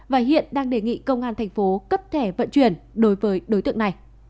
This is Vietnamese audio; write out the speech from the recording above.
và hiện đang đề nghị công an thành phố cấp thẻ vận chuyển đối với đối tượng này